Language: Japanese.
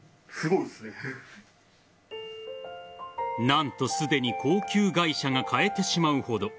何とすでに高級外車が買えてしまうほど。